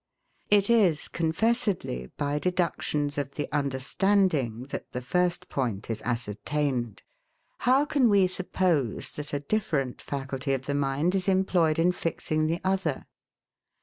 It is confessedly by deductions of the understanding, that the first point is ascertained: how can we suppose that a different faculty of the mind is employed in fixing the other?